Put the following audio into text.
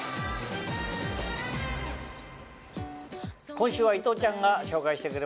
今週は伊藤ちゃんが紹介してくれます。